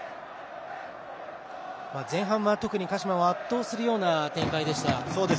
前半は特に鹿島を圧倒するような展開でした。